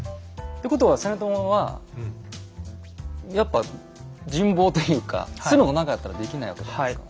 ってことは実朝はやっぱ人望というかそういうのがなかったらできないわけじゃないですか。